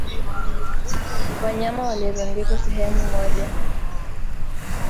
Wanyama walirundikwa sehemu moja